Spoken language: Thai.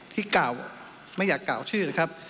ที่เก่าไม่อยากเก่าชื่อนะครับ